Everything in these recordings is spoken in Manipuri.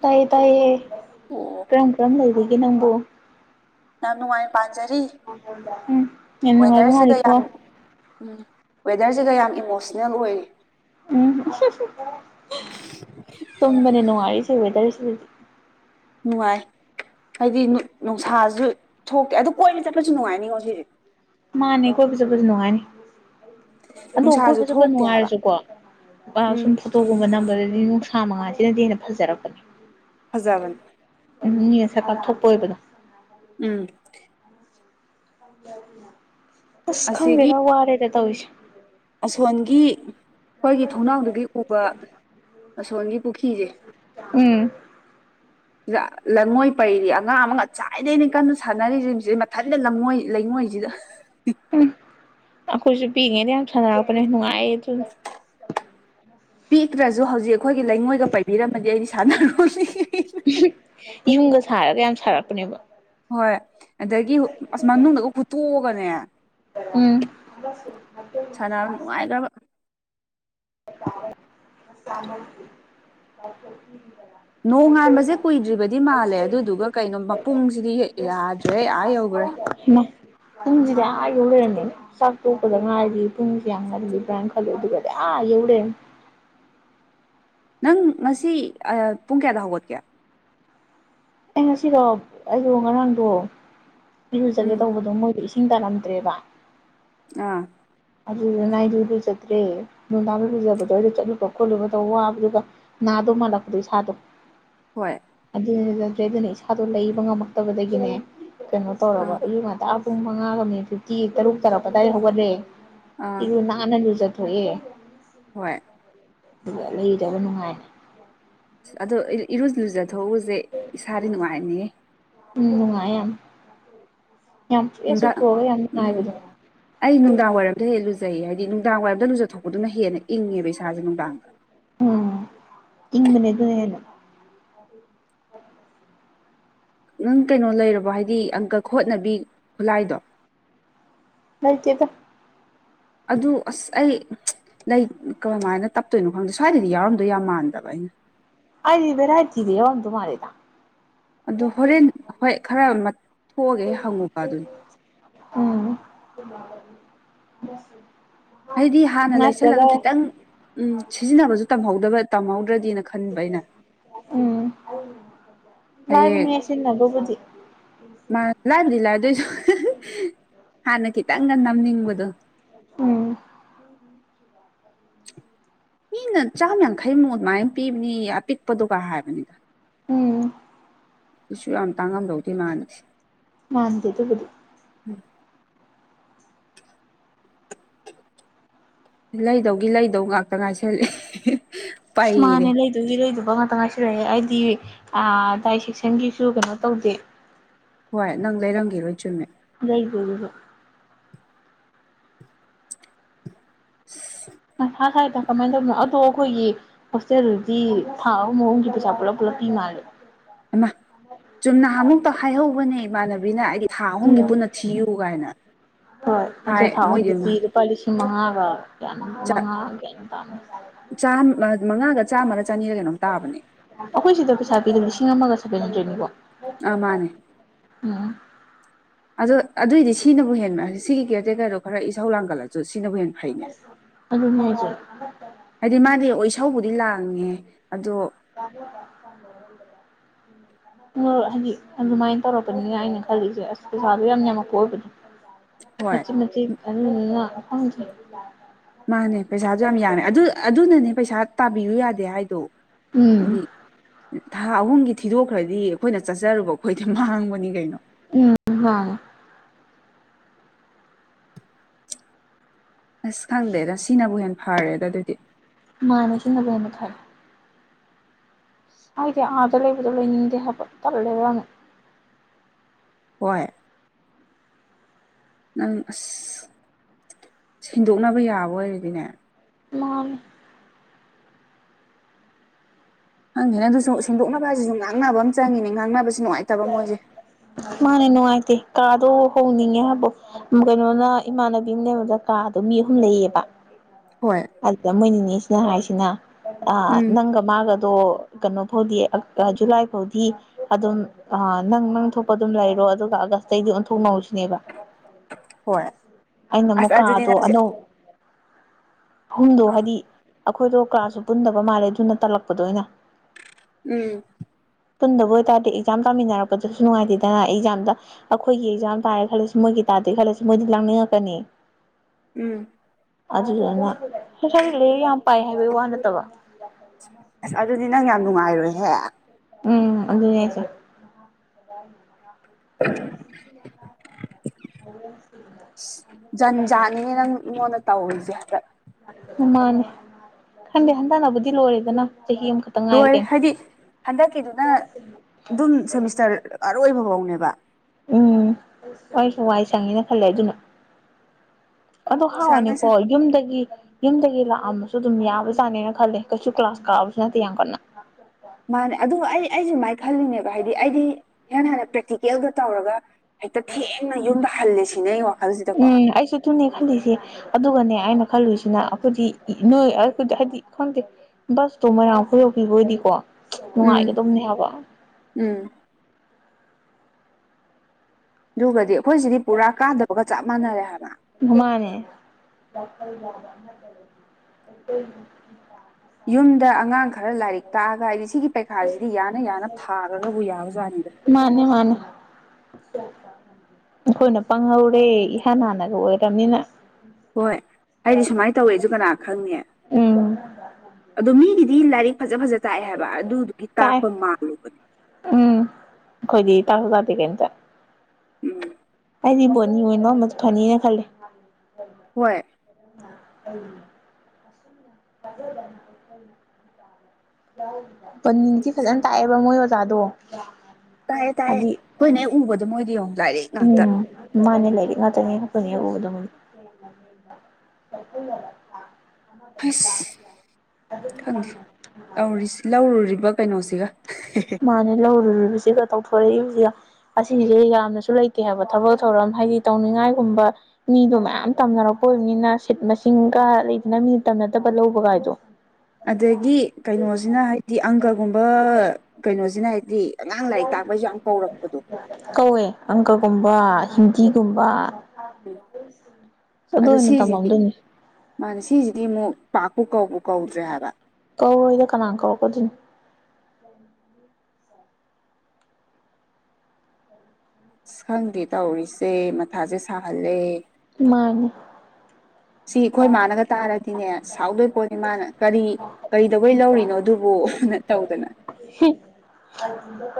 ꯇꯥꯏꯌꯦ ꯇꯥꯏꯌꯦ ꯑꯣ ꯀꯔꯝ ꯀꯔꯝ ꯂꯩꯕꯒꯦ ꯅꯪꯕꯨ ꯌꯥꯝꯅꯨꯡꯉꯥꯏ ꯄꯥꯟꯖꯥꯅꯤ ꯎꯝ ꯌꯦꯉꯥꯏ ꯃꯅꯤꯀꯣ ꯌꯥꯝ ꯎꯝ ꯋꯦꯗꯔꯁꯤꯒ ꯌꯥꯝ ꯏꯃꯣꯁꯅꯦꯜ ꯑꯣꯏꯔꯤ ꯎꯝ ꯇꯨꯝꯕꯅꯦ ꯅꯨꯡꯉꯥꯏꯔꯤꯁꯦ ꯋꯦꯗ ꯎꯝ ꯅꯨꯡꯉꯥꯏ ꯍꯥꯏꯗꯤ ꯅꯨꯡꯁꯥꯁꯨ ꯊꯣꯛꯇꯦ ꯑꯗꯨ ꯀꯣꯏꯅ ꯆꯠꯄꯁꯨ ꯅꯨꯡꯉꯥꯏꯅꯤꯉꯣ ꯍꯧꯖꯤꯛꯁꯦ ꯃꯥꯅꯦ ꯑꯩꯈꯣꯏꯕ ꯆꯠꯄꯁꯨ ꯅꯨꯡꯉꯥꯏꯅꯤ ꯑꯗꯣ ꯑꯩꯈꯣꯏ ꯅꯨꯡꯁꯥꯁꯨ ꯐꯖ ꯈ ꯊꯣꯛꯇꯦ ꯍꯥꯏꯕ ꯅꯨꯡꯉꯥꯏꯔꯁꯨꯀꯣ ꯎꯝ ꯁꯨꯝ ꯐꯣꯇꯣꯒꯨꯝꯕ ꯅꯝꯕꯗꯗꯤ ꯅꯨꯡ ꯊ ꯃꯉꯥꯁꯤꯅꯗꯤ ꯍꯦꯟꯅ ꯐꯖꯔꯛꯄꯅꯦ ꯐꯖꯕꯅꯤ ꯎꯝꯁꯦ ꯀꯥꯛꯞꯊꯣꯛꯄ ꯑꯣꯏꯕꯗ ꯎꯝ ꯑꯁ ꯑꯁꯤꯒꯤ ꯈꯪꯗꯦꯅ ꯋꯥꯔꯦꯗ ꯇꯧꯔꯤꯁꯦ ꯑꯁꯣꯟꯒꯤ ꯈ꯭ꯋꯥꯣꯏꯒꯤ ꯊꯣꯡꯅꯥꯎꯗꯨꯒꯤ ꯎꯕ ꯑꯁꯣꯟꯒꯤ ꯄꯨꯈꯤ꯭ꯁꯦ ꯎꯝ ꯂꯩꯉꯣꯏ ꯄꯩꯔꯤ ꯑꯉꯥꯡ ꯑꯃꯒ ꯆꯥꯏꯗꯩꯅ ꯀꯟꯅ ꯁꯥꯟꯅꯔꯤꯁꯦ ꯁꯤꯦ ꯃꯊꯟꯇꯉꯣꯏ ꯂꯩꯉꯣꯏꯁꯤꯗ [inaudible] ꯎꯝ ꯑꯩꯈꯣꯏꯁꯨ ꯄꯤꯉꯦꯗꯤ ꯌꯥꯝ ꯁꯥꯟꯅꯔꯛꯄꯅꯦ ꯅꯨꯡꯉꯥꯏꯌꯦ ꯑꯗꯨ ꯄꯤꯛ ꯔꯖ ꯑꯗꯨ ꯍꯧꯖꯤꯛ ꯑꯩꯈꯣꯏꯒꯤ ꯂꯩꯉꯣꯏꯒ ꯄꯥꯏꯕꯤꯔꯝꯃꯗꯤ ꯑꯩꯗꯤ ꯁꯥꯟꯅꯔꯣꯁꯤ ꯌꯨꯝꯒ ꯁꯥꯔꯒ ꯌꯥꯝ ꯁꯥꯔꯛꯄꯅꯦꯕ ꯍꯣꯏ ꯑꯗꯒꯤ ꯑꯁ ꯃꯅꯨꯡꯗꯒ ꯍꯨꯠꯇꯣꯛꯑꯒꯅꯦ ꯎꯝ ꯁꯅ ꯅꯨꯡꯉꯥꯏꯗꯕ [unintelligible] ꯅꯣꯡꯉꯥꯟꯕꯁꯦ ꯀꯨꯏꯗ꯭ꯔꯤꯕꯗꯤ ꯃꯥꯜꯂꯦ ꯑꯗꯨꯗꯨꯒ ꯀꯩꯅꯣ ꯃꯄꯨꯡꯁꯤꯗꯤ ꯌꯥꯗ꯭ꯔꯦ ꯑꯥ ꯌꯧꯈ꯭ꯔꯦ [inaudible] ꯄꯨꯡꯁꯤꯗꯤ ꯑꯥ ꯌꯧ ꯂꯩꯔꯝꯅꯤꯅꯦ ꯆꯥꯛ ꯇꯣꯛꯄꯗ ꯉꯥꯏꯗꯤ ꯄꯨꯡꯁ ꯌꯥꯝ ꯉꯜꯗꯤꯕ꯭ꯔꯥꯅ ꯈꯜꯂꯣ ꯑꯗꯨꯒꯗꯤ ꯑꯥ ꯌꯧꯔꯦ [inaudible] ꯅꯪ ꯉꯁꯤ ꯄꯨꯡ ꯀꯌꯥꯗ ꯍꯧꯒꯠꯀꯦ ꯑꯩ ꯉꯁꯤꯗꯣ ꯑꯩꯗꯣ ꯉꯔꯥꯡꯗꯣ ꯏꯤꯔꯨꯖꯒꯦ ꯎꯝ ꯇꯧꯕꯗꯣ ꯃꯣꯏꯗ ꯆꯤꯇꯅꯗꯦꯕ ꯑꯥ ꯑꯗꯨꯗꯨ ꯅꯥꯥꯏꯗꯨ ꯂꯨꯖꯗ꯭ꯔꯦ ꯅꯨꯡꯗꯥꯡ ꯂ ꯂꯨꯖꯕꯗꯣꯗ ꯆꯠꯂꯨꯕ ꯈꯣꯠꯂꯨꯕꯗ ꯋꯥꯕꯗꯨꯒ ꯁꯥꯗꯧ ꯃꯥꯜꯂꯛꯄꯗꯣ ꯏꯁꯥꯗꯣ ꯍꯣꯏ ꯖꯗ꯭ꯔꯦ ꯑꯗꯨꯅ ꯏꯁꯥꯗꯣ ꯂꯩꯕ ꯉꯝꯃꯛꯇꯕꯗꯒꯤꯅꯦ ꯀꯩꯅꯣ ꯇꯧꯔꯕ ꯑꯥ ꯑꯩꯏ ꯃꯇ ꯄꯨꯡ ꯃꯉꯥꯒ ꯃꯤꯅꯤꯠ ꯐꯤꯇꯤ ꯇꯔꯨꯛ ꯇꯥꯔꯛꯄ ꯑꯗꯨꯗꯥꯏ ꯍꯧꯒꯠꯂꯦ ꯑꯥ ꯏꯔꯨ ꯅꯥꯟꯅ ꯂꯨꯖ ꯀꯔꯤ ꯍꯣꯏ ꯑꯗꯨꯒ ꯂꯩꯗꯕ ꯅꯨꯡꯉꯥꯏꯅꯦ ꯑꯗꯣ ꯏꯔꯨꯖ ꯂꯨꯖꯊꯎꯁꯦ ꯏꯁꯥꯗꯤ ꯅꯨꯡꯉꯥꯏꯅꯤ ꯎꯝꯅꯨꯡꯉꯌꯥꯝꯌꯥꯝ ꯅꯨꯡꯗꯥꯡ ꯎꯝ ꯑꯩ ꯅꯨꯡꯗꯥꯡ ꯋꯥꯏꯔꯝꯗ ꯍꯦꯛꯂꯨ ꯖꯩ ꯍꯥꯏꯗꯤ ꯅꯨꯡꯗꯥꯡ ꯋꯥꯏꯔꯝꯗ ꯂꯨꯖꯊꯣꯛꯄꯗꯨꯅ ꯍꯦꯟꯅ ꯏꯪꯉꯦꯕ ꯏꯁꯥꯁꯦ ꯅꯨꯡꯗꯥꯡꯗ ꯎꯝ ꯏꯪ ꯃꯅꯦ ꯑꯗꯨꯅ ꯅꯪ ꯀꯩꯅꯣ ꯂꯩꯔꯕꯣ ꯍꯥꯏꯗꯤ ꯑꯪꯀ ꯈꯣꯠꯅꯕꯤ ꯈꯨꯂꯥꯏꯗꯣ ꯅꯆꯦꯗ ꯑꯗꯨ ꯑꯁ ꯑꯩ ꯂꯩ ꯀꯃꯝꯃꯥꯏꯅ ꯇꯞꯇꯣꯏꯅꯣ ꯈꯪꯗꯦ ꯁ꯭ꯋꯥꯏꯗꯗꯤ ꯌꯥꯎꯔꯝꯗꯣꯏ ꯌꯥꯝ ꯃꯥꯟꯗꯕ ꯑꯩ [inaudible] ꯑꯗꯤꯕꯦꯔ ꯍꯥꯏꯗꯤꯗ ꯑꯣ ꯑꯗꯨ ꯃꯥꯔꯤꯗ ꯑꯗꯨ ꯍꯣꯔꯦꯟ ꯍꯣꯏ ꯈꯔ ꯊꯣꯛꯑꯒꯦ ꯍꯪꯉꯨꯀ ꯑꯗꯨꯅꯤ ꯎꯝ ꯍꯥꯏꯗꯤ ꯍꯥꯟꯅ ꯂꯩꯁꯜꯂꯒ ꯅꯠꯇ꯭ꯔꯒ ꯈꯤꯇꯪ ꯎ ꯁꯤꯖꯤꯟꯅꯕꯁꯨ ꯇꯝꯍꯧꯗꯕ ꯇꯝꯍꯧꯗ꯭ꯔꯗꯤꯅ ꯈꯟꯕ ꯑꯩꯅ ꯎꯝ ꯍꯌꯦ ꯂꯥꯏꯕꯅꯦ ꯁꯤꯖꯤꯟꯅꯕꯕꯨꯗꯤ ꯃꯥ ꯂꯗꯔꯤ ꯂ [inaudible] ꯍꯥꯟꯅ ꯀꯤ ꯇꯪ ꯅꯝ ꯏꯤꯡꯕꯣ ꯎꯝ ꯃꯤꯅ ꯆꯥꯝꯃ ꯌꯥꯡꯈꯩꯃꯨꯛ ꯑꯗꯨꯃꯥꯏꯅ ꯄꯤꯕꯅꯤ ꯑꯄꯤꯛꯄꯗꯨꯒ ꯍꯥꯏꯕꯅꯤꯗ ꯎꯝ ꯑꯗꯨꯁꯨ ꯌꯥꯝ ꯇꯥꯡꯉꯝꯗꯧꯗꯣꯏ ꯃꯥꯟꯅꯁꯤꯦ ꯋꯥꯥꯟꯗꯦ ꯑꯗꯨꯕꯨꯗꯤ ꯎꯝ ꯂꯩꯗꯧꯒꯤ ꯂꯩꯗꯧ ꯉꯥꯛꯇ ꯉꯥꯏꯁꯜꯂꯤ ꯃꯥꯅꯦ ꯂꯩꯗꯣꯏꯒꯤ ꯂꯩꯣꯏꯗꯕ ꯉꯥꯛꯇ ꯉꯥꯏꯁꯤꯔꯛꯑꯦ ꯑꯩ ꯗꯥꯏ ꯁꯦꯛꯁꯟꯒꯤꯁꯨ ꯀꯩꯅꯣ ꯇꯧꯗꯦ ꯍꯣꯏ ꯅꯪ ꯂꯩꯔꯝꯒꯦꯔꯣꯏ ꯆꯨꯝꯃꯦ ꯂꯩꯏ ꯀꯗ [unintelligible] ꯊꯥ ꯁꯥꯏꯗ ꯀꯃꯥꯏꯅ ꯇꯧꯕꯅꯣ ꯑꯗꯣ ꯑꯩꯈꯣꯏꯒꯤ ꯍꯣꯁꯇꯦꯜꯗꯨꯗꯤ ꯊꯥ ꯑꯍꯨꯝ ꯑꯍꯨꯝꯁꯤ ꯄꯩꯁꯥ ꯄꯨꯂꯞ ꯄꯨ ꯇꯤ ꯃꯥꯦ ꯑꯃ ꯆꯨꯝꯅ ꯑꯃꯨꯛꯇ ꯍꯥꯏꯍꯧꯕꯅꯦ ꯏꯃꯥꯟꯅꯕꯤꯅ ꯍꯥꯏꯗꯤ ꯊꯥ ꯑꯍꯨꯝꯒꯤ ꯎꯝ ꯄꯨꯟꯅ ꯊꯤꯌꯨ ꯀꯥꯏꯅ ꯍꯣꯏ ꯑꯗ ꯍꯥꯏ ꯊꯥꯛ ꯃꯣꯏꯗꯤ ꯑꯗꯤ ꯂꯨꯄꯥ ꯂꯤꯁꯤꯡ ꯃꯉꯥꯒ ꯀꯌꯥꯅꯣ ꯃꯉꯥ ꯀꯌꯥꯅ ꯇꯥꯝꯃꯤ ꯆꯥꯝ ꯑꯩꯈꯣꯏ ꯁꯤꯗ ꯄꯩꯁꯥꯕꯤꯤꯗ ꯂꯤꯁꯤꯡ ꯑꯃꯒ ꯣ ꯑꯥ ꯃꯥꯅꯦ ꯎꯝ ꯑꯗꯣ ꯑꯗꯨꯑꯣꯏꯗꯤ ꯁꯤꯅꯕꯨ ꯍꯦꯟꯕ ꯁꯤꯒꯤ ꯀꯦꯇꯦꯒꯔꯤꯗꯣ ꯈꯔ ꯏꯁꯧ ꯂꯥꯡꯒꯠꯂꯁꯨ ꯁꯤ ꯐꯩꯅꯦ ꯑꯗꯨꯅꯦ ꯍꯥꯏꯁꯦ ꯍꯥꯏꯗꯤ ꯃꯥ ꯑꯆꯧꯕꯗꯤ ꯂꯥꯡꯉꯦ ꯑꯗꯣ ꯇꯕ ꯇꯥꯛ ꯍꯣꯏ ꯍꯧꯖꯤꯛ ꯑꯗꯨꯃꯥꯏꯅ ꯇꯧꯔꯛꯄꯅꯤ ꯍꯥꯏꯅ ꯈꯜꯂꯤꯁꯦ ꯑꯁ ꯄꯩꯁꯥꯗꯣ ꯌꯥꯝ ꯌꯥꯝꯃꯛꯄ ꯑꯣꯏꯕꯗꯣ ꯍꯣꯏ ꯃꯆꯤ ꯃꯆ ꯀ ꯀ ꯃꯥꯅꯦ ꯄꯩꯁꯥꯁꯨ ꯌꯥꯝ ꯌꯥꯝꯃꯦ ꯑꯗꯨ ꯑꯗꯨꯅꯅꯦ ꯄꯩꯁꯥ ꯇꯥꯕꯤꯌꯨ ꯌꯥꯗꯦ ꯍꯥꯏꯗꯣ ꯍꯥꯏꯗꯤ ꯎꯝ ꯊꯥ ꯑꯍꯨꯝꯒꯤ ꯊꯤꯗꯣꯛꯈ꯭ꯔꯗꯤ ꯑꯩꯈꯣꯏꯅ ꯆꯠꯆꯔꯨꯕ ꯑꯩꯈꯣꯏꯗꯤ ꯃꯥꯡꯕꯅꯤ ꯀꯩꯅꯣ ꯎꯝ ꯋꯥ ꯑꯁ ꯈꯪꯗꯦꯗ ꯁꯤꯅꯕꯨ ꯍꯦꯟꯅ ꯐꯔꯦ ꯑꯗꯣ ꯑꯗꯨꯗꯤ ꯃꯅꯁꯤ ꯅꯕꯅ ꯈꯔꯦ ꯍꯥꯏꯗꯤ ꯑꯗꯂꯕꯨꯗꯂ ꯏꯅꯤꯗꯦꯍ ꯇꯂꯔꯅ ꯍꯣꯏ ꯅꯪ ꯑꯁ ꯁꯤꯦꯡꯗꯣꯛꯅꯕ ꯌꯥꯕ ꯑꯣꯏꯔꯗꯤꯅꯦ ꯃꯥꯥꯡ ꯍꯪꯉꯦꯅꯦ ꯑꯗꯨꯁꯨ ꯁꯦꯡꯗꯣꯛꯅꯕ ꯍꯥꯏꯁꯤꯁꯨ ꯉꯥꯡꯅꯕ ꯑꯃ ꯆꯪꯉꯤꯅꯦ ꯉꯥꯡꯅꯕꯁꯤ ꯅꯨꯡꯉꯥꯏꯇꯕ ꯃꯣꯏꯁꯦ ꯃꯥꯅꯦ ꯅꯨꯡꯉꯥꯏꯇꯦ ꯀꯥꯗꯣ ꯍꯣꯡꯅꯤꯡꯉꯦ ꯍꯥꯏꯕꯣ ꯀꯩꯅꯣꯅ ꯏꯃꯥꯟꯅꯕꯤ ꯑꯃꯅꯦꯕꯗ ꯀꯥꯗꯨ ꯃꯤ ꯑꯍꯨꯝ ꯂꯩꯌꯦꯕ ꯍꯣꯏ ꯑꯗꯨꯗ ꯃꯣꯏ ꯅꯤꯅꯤꯁꯤꯅ ꯍꯥꯏꯁꯤꯅ ꯑ ꯎꯝ ꯅꯪꯒ ꯃꯥꯒ ꯑꯗꯣ ꯀꯩꯅꯣ ꯐꯥꯎꯗꯤ ꯖꯨꯂꯥꯏ ꯐꯥꯎꯗꯤ ꯑꯗꯨꯝ ꯅꯪ ꯅꯪ ꯊꯣꯛ ꯄ ꯑꯗꯨꯝ ꯂꯩꯔꯣ ꯑꯗꯨꯒ ꯑꯥꯒꯁꯇꯇꯩꯒꯤꯗꯤ ꯑꯣꯟꯊꯣꯛꯅꯧꯁꯤꯅꯦꯕ ꯍꯣꯏ ꯑꯩꯅ ꯑꯁ ꯑꯗꯨꯗꯤ ꯑꯃꯨꯛꯀꯥꯗꯣ ꯅꯪꯁꯦ ꯑꯅꯧ ꯑꯍꯨꯝꯗꯣ ꯑꯥ ꯍꯥꯏꯗꯤ ꯑꯩꯈꯣꯏꯗꯣ ꯀ꯭ꯂꯥꯁꯁꯨ ꯄꯨꯟꯗꯕ ꯃꯥꯜꯂꯦ ꯑꯗꯨꯅ ꯇꯜꯂꯛꯄꯗꯣ ꯑꯣꯏꯅ ꯎꯝ ꯄꯨꯟꯗꯕ ꯑꯣꯏꯕꯇꯥꯔꯗꯤ ꯑꯦꯛꯥꯝ ꯇꯃꯤꯟꯅꯔꯛꯄꯗꯁꯨ ꯅꯨꯡꯉꯥꯏꯇꯦ ꯠꯇꯅ ꯑꯦꯛꯖꯥꯝꯗ ꯑꯩꯈꯣꯏꯒꯤ ꯑꯦꯛꯖꯥꯝ ꯇꯥꯔꯦ ꯈꯜꯂꯁꯨ ꯃꯣꯏꯒꯤ ꯇꯥꯗꯦ ꯈꯜꯂꯁꯨ ꯃꯣꯏꯗꯤ ꯂꯥꯡꯅꯤꯡꯉꯛꯀꯅꯤ ꯎꯝ ꯑꯖꯤ ꯍ ꯁꯗꯤ ꯂꯩꯦ ꯌꯥꯝ ꯄ ꯍꯥꯏꯕ ꯋꯥ ꯋꯥꯅ ꯇꯕ ꯑꯁ ꯑꯗꯨꯗꯤ ꯅꯪ ꯌꯥꯝ ꯅꯨꯡꯉꯥꯏꯔꯣꯏꯍꯦ ꯎꯝ ꯑꯗꯨ ꯆ ꯆꯣ ꯖꯟꯖꯥꯠꯅꯤ ꯅꯪ ꯑꯩꯉꯣꯟꯗ ꯇꯧꯔꯤꯁꯦ ꯍꯐꯠ ꯃꯥꯅꯦ ꯈꯟꯗꯦ ꯍꯟꯊꯅꯕꯨꯗꯤ ꯂꯣꯏꯔꯦꯗꯅ ꯆꯍꯤ ꯑꯃꯈꯛꯇꯪ ꯂꯣꯏꯔꯦ ꯉꯥꯏꯒꯦ ꯍꯥꯏꯗꯤ ꯍꯟꯗꯛꯀꯤꯗꯨꯅ ꯑꯗꯨꯝ ꯁꯦꯃꯤꯁꯇꯔ ꯑꯔꯣꯏꯕ ꯐꯧꯅꯦꯕ ꯎꯝ ꯍꯣꯏꯁꯨ ꯋꯥꯏ ꯁꯪꯉꯦꯅ ꯈꯜꯂꯦ ꯑꯗꯨꯅ ꯑꯗꯨꯣ ꯁꯪꯉꯦ ꯍꯥꯎꯋꯥꯅꯤꯀꯣ ꯁꯪ ꯌꯨꯝꯗꯒꯤ ꯌꯨꯝꯗꯒꯤ ꯂ ꯑꯃꯁꯨ ꯑꯗꯨꯝ ꯌꯥꯕꯖꯥꯠꯅꯤꯅ ꯈꯜꯂꯦ ꯀꯩꯁꯨ ꯀ꯭ꯂꯥꯁ ꯀꯥꯕꯁꯨ ꯅꯠꯇꯦ ꯌꯥꯝ ꯀꯟꯅ ꯃꯥꯅꯦ ꯑꯗꯨ ꯑꯩ ꯑꯩꯁꯨꯃꯥꯏꯅ ꯈꯜꯂꯤꯅꯦꯕ ꯍꯥꯏꯗꯤ ꯑꯩꯗꯤ ꯏꯍꯥꯟ ꯍꯥꯟꯅ ꯄ꯭ꯔꯦꯛꯇꯤꯀꯦꯜꯒ ꯇꯧꯔꯒ ꯍꯦꯛꯇ ꯊꯦꯡꯅ ꯌꯨꯝꯗ ꯍꯜꯂꯦ ꯁꯤꯅꯦ ꯑꯩꯉꯣ ꯎꯝ ꯑꯩꯁꯨ ꯇꯨꯅꯦ ꯈꯜꯂꯤꯁꯦ ꯑꯗꯨꯒꯅꯦ ꯑꯩꯅ ꯥ ꯈꯜꯂꯨꯁꯤꯅ ꯑꯩꯈꯣꯏꯗꯤ ꯅꯣꯏ ꯑꯩꯣꯏꯗꯤ ꯍꯥꯏꯗꯤ ꯈꯪꯗꯦ ꯕꯁꯇꯣ ꯃꯌꯥꯝ ꯈꯨꯗꯣꯛꯄꯤꯕ ꯑꯣꯏꯗꯤꯀꯣ ꯎꯝ ꯅꯨꯡꯉꯥꯏꯒꯗꯕꯅꯦ ꯍꯥꯏꯕ ꯎꯝ ꯑꯗꯨꯒꯗꯤ ꯑꯩꯈꯣꯏꯁꯤꯗꯤ ꯄꯨꯔꯥ ꯀꯥꯗꯕꯒ ꯆꯞ ꯃꯥꯟꯅꯔꯦ ꯍꯥꯏꯕ ꯃꯥꯅꯦ [inaudible] ꯌꯨꯝꯗ ꯑꯉꯥꯡ ꯈꯔ ꯂꯥꯏꯔꯤꯛ ꯇꯥꯛꯑꯒ ꯍꯥꯏꯗꯤ ꯁꯤꯒꯤ ꯄꯩꯈꯥꯁꯤꯗꯤ ꯌꯥꯅ ꯌꯥꯅ ꯊꯥꯔꯒꯕꯨ ꯌꯥꯕ ꯖꯥꯠꯅꯤꯗ ꯃꯥꯅꯦ ꯃꯥꯅꯦ ꯑꯩꯈꯣꯏꯅ ꯄꯪꯍꯧꯔꯦ ꯏꯍꯥꯟ ꯍꯥꯟꯅꯒ ꯑꯣꯏꯔꯕꯝꯅꯤꯅ ꯍꯣꯏ ꯍꯥꯏꯗꯤ ꯁꯨꯃꯥꯏꯅ ꯇꯧꯋꯦꯁꯨ ꯀꯅꯥ ꯈꯪꯅꯤ ꯎꯝ ꯑꯗ ꯃꯤꯒꯤ ꯗꯤ ꯂꯥꯏꯔꯤꯛ ꯐꯖ ꯐꯖ ꯇꯥꯛꯑꯦ ꯍꯥꯏꯕ ꯑꯗꯨꯗꯨꯒꯤ ꯇꯥꯏ ꯇꯥꯛꯄ ꯃꯥꯜꯂꯨꯕꯅꯦ ꯎꯝ ꯑꯩꯈꯣꯏꯗꯤ ꯇꯥꯔ ꯇꯗꯦ ꯀꯇ ꯎꯝ ꯍꯥꯏꯗꯤꯕꯣꯅꯤꯅꯣꯃꯗꯨ ꯐꯅꯤꯅ ꯈꯜꯂꯦ ꯍꯣꯏ ꯑ ꯎꯝ ꯀꯖ ꯂ ꯄꯅꯤꯗꯤ ꯐꯖꯅ ꯇꯥꯛꯑꯦꯕ ꯃꯣꯏ ꯑꯣꯖꯥꯗꯣ ꯇꯥꯏꯌꯦ ꯇꯥꯏꯌꯦ ꯍꯥꯏꯗꯤ ꯈꯣꯏ ꯅ ꯎꯕꯗꯣ ꯃꯣꯏꯗꯤ ꯌꯦꯡꯉꯣ ꯎꯝ ꯃꯥꯅꯦ ꯂꯩꯔꯤꯛ ꯉ ꯇꯅꯤ ꯀꯅꯤ ꯍꯧꯗ ꯑꯁ ꯈꯪꯗꯦ ꯂꯧꯔꯨꯔꯤꯕ ꯀꯩꯅꯣꯁꯤꯒ ꯃꯥꯅꯦ ꯂꯧꯔꯨꯔꯤꯕꯕꯁꯤꯒ ꯇꯧꯊꯣꯔꯛꯏꯕꯁꯤꯒ ꯑꯁꯤꯁꯦ ꯌꯥꯝꯅꯁꯨ ꯂꯩꯇꯦ ꯍꯥꯏꯕ ꯊꯕꯛ ꯊꯧꯔꯝ ꯍꯥꯏꯗꯤ ꯇꯧꯅꯤꯡꯉꯥꯏꯒꯨꯝꯕ ꯃꯤꯗꯣ ꯃꯌꯥꯝ ꯇꯝꯅꯔꯛꯄ ꯑꯣꯏꯅꯤ ꯅꯁꯤꯠ ꯃꯁꯤꯡꯒ ꯂꯩꯗꯅ ꯅꯃꯤ ꯇꯝꯅꯗꯕ ꯂꯧꯕꯒꯥꯏꯗꯣ ꯑꯗꯒꯤ ꯀꯩꯅꯣꯁꯤꯅ ꯍꯥꯏꯗꯤ ꯑꯪꯀꯒꯨꯝꯕ ꯀꯩꯅꯣꯁꯤꯅ ꯍꯥꯏꯗꯤ ꯑꯉꯥꯡ ꯂꯥꯏꯔꯤꯛ ꯇꯥꯛꯄꯁꯨ ꯌꯥꯝ ꯀꯧꯔꯛꯄꯗꯣ ꯀꯧꯋꯦ ꯑꯪꯀꯀꯨꯝꯕ ꯍꯤꯟꯗꯤꯒꯨꯝꯕ ꯑꯗꯣ ꯑꯣꯏꯅ ꯇꯃꯥꯝꯗꯧꯅꯦ ꯃꯥꯅꯦ ꯁꯤꯁꯤꯗꯤ ꯑꯃꯨꯛ ꯄꯥꯛꯄꯨ ꯀꯕꯨ ꯀꯧꯗ꯭ꯔꯦ ꯍꯥꯏꯕ ꯀꯧꯔꯣꯏꯗ ꯀꯅꯥ ꯀꯧꯂꯛꯀꯗꯨꯏꯅꯣ ꯁ ꯈꯪꯗꯦ ꯇꯧꯔꯤꯁꯦ ꯃꯊꯥꯁꯦ ꯁꯥꯍꯜꯂꯦ ꯃꯥꯅꯦ [inaudible] ꯁꯤ ꯑꯩꯈꯣꯏ ꯃꯥꯅꯒ ꯇꯥꯔꯗꯤ ꯁꯥꯎꯗꯣꯏ ꯄꯣꯠꯅꯤ ꯃꯥꯅ ꯀꯔꯤ ꯀꯔꯤꯗꯧꯕꯩ ꯂꯧꯔꯤꯅꯣ ꯑꯗꯨꯕꯨ ꯅ ꯇꯧꯗꯅ [inaudible]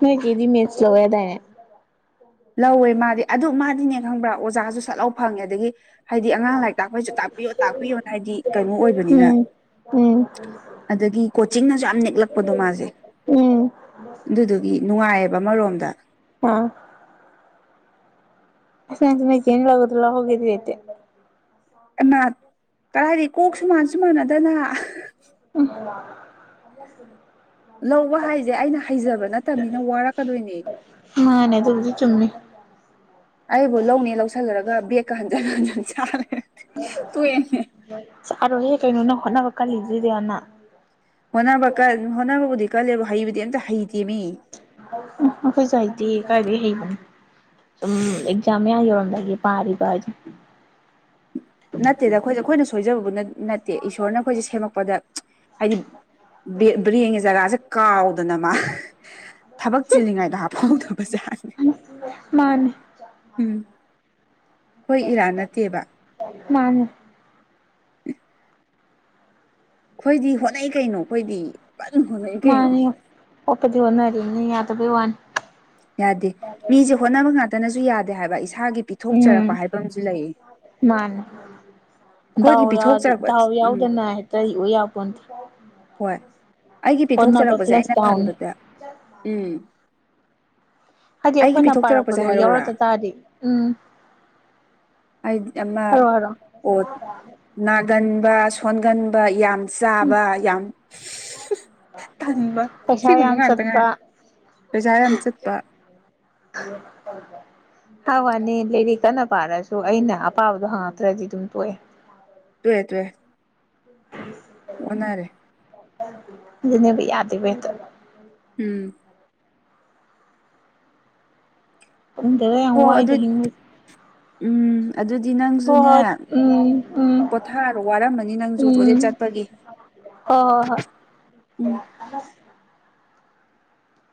ꯍꯣꯏꯒꯤꯗꯤ ꯃꯦꯠꯁ ꯂꯧꯋ ꯌꯥ ꯇꯅꯦ ꯂꯧꯋꯦ ꯃꯥꯗꯤ ꯑꯗꯨ ꯃꯥꯗꯤꯅꯦ ꯈꯪꯕ꯭ꯔꯥ ꯑꯣꯖꯥꯁꯨ ꯁꯠꯂꯥꯎ ꯐꯪꯉꯦ ꯑꯗꯒꯤ ꯍꯥꯏꯗꯤ ꯑꯉꯥꯡ ꯂꯥꯏꯔꯤꯛ ꯇꯥꯛꯄꯩꯁꯨ ꯇꯥꯛꯄꯤꯌꯣ ꯇꯥꯛꯄꯤꯌꯣꯅ ꯍꯥꯏꯗꯤ ꯀꯩꯅꯣ ꯑꯣꯏꯕꯅꯤꯅ ꯎꯝ ꯎꯝ ꯑꯗꯒꯤ ꯀꯣꯆꯤꯡꯅꯁꯨ ꯌꯥꯝ ꯅꯦꯛꯂꯛꯄꯗꯣ ꯃꯥꯁꯦ ꯎꯝ ꯑꯗꯨꯗꯨꯒꯤ ꯅꯨꯡꯉꯥꯏꯑꯕ ꯑꯃꯔꯣꯝꯗ ꯑꯥ ꯅꯣꯏ ꯆꯦꯅ ꯂꯥꯎꯕꯗꯣ ꯂꯥꯎꯒꯦꯗꯤ ꯂꯩꯇꯦ ꯑꯩꯃ ꯀꯗꯥꯏꯗꯤ ꯀꯣꯛꯁꯨ ꯃꯥꯟꯁꯨ ꯃꯥꯟꯅꯗꯅ ꯎ ꯂꯧꯕ ꯍꯥꯏꯁꯦ ꯑꯩꯅ ꯍꯩꯖꯕ ꯅꯠꯇꯕꯅꯤꯅ ꯋꯥꯔꯛꯀꯗꯣꯏꯅꯦ ꯃꯥꯅꯦ ꯑꯗꯨꯗꯤ ꯆꯨꯝꯃꯤ ꯑꯩꯕꯨ ꯂꯧꯅꯦ ꯂꯧꯁꯤꯜꯂꯨꯔꯒ ꯕꯦꯒꯀ ꯍꯟꯖꯤꯟ ꯍꯟꯖꯤꯟ ꯁꯥꯔꯦ ꯆꯥꯔꯣꯍꯦ ꯀꯩꯅꯣ ꯅꯪ ꯍꯣꯠꯅꯕ ꯀꯜꯂꯤꯗ꯭ꯔꯤꯗꯤ ꯑꯗꯨꯛ ꯌꯥꯝꯅ ꯍꯣꯠꯅꯥꯕ ꯀꯟ ꯍꯅꯥꯕꯕꯨꯗꯤ ꯀꯜꯂꯦꯕꯨ ꯍꯩꯕꯗꯤ ꯑꯃꯇ ꯍꯩ ꯎꯝ ꯑꯩꯈꯣꯏ ꯁꯥꯏꯗꯤ ꯀꯥꯏꯗ ꯍꯩꯕꯅꯣ ꯁꯨꯝ ꯑꯦꯛꯖꯥꯝ ꯃꯌꯥ ꯌꯧꯔꯝꯗ ꯄꯥꯔꯤꯕ ꯗꯨꯅꯤ ꯅꯠꯇꯦꯗ ꯑꯩꯈꯣꯏꯁꯦ ꯑꯩꯈꯣꯏꯅ ꯁꯣꯏꯖꯕꯕꯨ ꯅꯠꯇꯦ ꯏꯁꯣꯔꯅ ꯑꯩꯈꯣꯏꯁꯦ ꯁꯦꯝꯃꯛꯄꯗ ꯍꯥꯏꯗꯤ ꯕ꯭ꯔꯦꯡꯒꯤ ꯖꯒꯥꯁꯦ ꯀꯥꯎꯗꯅ ꯃꯥ ꯊꯕꯛ ꯆꯤꯜꯂꯤꯉꯥꯏꯗ ꯍꯥꯞꯄꯧꯗꯕꯖꯥꯠꯅꯦ ꯃꯥꯅꯦ ꯎꯝ ꯍꯣꯏ ꯏꯔꯥꯟ ꯅꯠꯇꯦꯕ ꯃꯥꯟꯅꯦ [unintelligible] ꯑꯩꯈꯣꯏꯗꯤ ꯍꯣꯠꯅꯩ ꯀꯩꯅꯣ ꯑꯩꯈꯣꯏꯗꯤ ꯀꯟꯅ ꯍꯣꯠꯅꯩ ꯀꯩꯅꯣ ꯃꯥꯅꯤ ꯍꯣꯠꯄꯗꯤ ꯍꯣꯠꯅꯔꯤꯅꯤ ꯌꯥꯗꯕꯒꯤ ꯋꯥꯅꯤ ꯌꯥꯗꯦ ꯃꯤꯁꯦ ꯍꯣꯠꯅꯕ ꯉꯥꯛꯇꯅꯁꯨ ꯌꯥꯗꯦ ꯍꯥꯏꯕ ꯏꯁꯥꯒꯤ ꯎꯝ ꯄꯤꯊꯣꯛꯆꯔꯛꯄ ꯍꯥꯏꯕ ꯑꯃꯁꯨ ꯂꯩ ꯃꯥꯅꯦ ꯗꯥꯎ ꯌꯥꯎꯗ ꯗꯥꯎ ꯌꯥꯎꯗꯅ ꯍꯦꯛꯇ ꯑꯣꯏ ꯌꯄꯣꯠꯇꯦ ꯍꯣꯏ ꯑꯩꯒꯤ ꯄꯤꯊꯣꯛꯆꯔꯛꯄꯁꯦ ꯑꯩꯅ ꯈꯟꯕꯗ ꯎꯝ ꯍꯥꯏꯗꯤ ꯑꯩꯒꯤ ꯑꯩꯈꯣꯏꯅ ꯄꯤꯊꯣꯛꯆꯔꯛꯄꯁꯦ ꯄꯥꯔꯛꯄꯗꯣ ꯍꯥꯏꯔꯛꯎꯔꯥ ꯌꯥꯎꯔꯛꯇ ꯇꯥꯔꯗꯤ ꯎꯝ ꯑꯩꯗꯤ ꯑꯃ ꯍꯥꯏꯔꯣ ꯍꯥꯏꯔꯣ ꯑꯣ ꯇꯟꯕ ꯁꯣꯟꯒꯟꯕ ꯌꯥꯝ ꯆꯥꯕ ꯌꯥꯝ ꯇꯟꯕ ꯄꯩꯁꯥ ꯁꯤꯒꯨꯝꯕ ꯌꯥꯝ ꯉꯥꯛꯇ ꯉꯥꯏ ꯄꯩꯁꯥ ꯌꯥꯝ ꯆꯠ ꯎ ꯍ ꯋꯥꯅꯤ ꯂꯩꯗꯤ ꯀꯟꯅ ꯄꯥꯔꯁꯨ ꯑꯩꯅ ꯑꯄꯥꯕꯗꯣ ꯍꯪꯉꯛꯇ꯭ꯔꯗꯤ ꯑꯗꯨꯝ ꯇꯣꯛꯑꯦ ꯇꯨꯋꯦ ꯇꯨꯋꯦ ꯑꯣꯟꯅꯔꯦ ꯑꯗꯨꯅꯤ ꯌꯥꯗꯕꯠꯇ ꯎꯝ ꯎꯗꯗꯦ ꯍꯣ ꯑꯗꯨ ꯍꯥꯏꯇ ꯍꯤꯡ ꯎꯝ ꯑꯗꯨꯗꯤ ꯅꯪꯁꯨꯅꯦ ꯎꯝ ꯎꯝ ꯄꯣꯊꯥꯔꯣ ꯋꯥꯔꯝꯃꯅꯤ ꯅꯪꯁꯨꯣ ꯆꯠꯄꯒꯦ ꯍ ꯍꯣꯏ ꯍꯣꯏ ꯎꯝ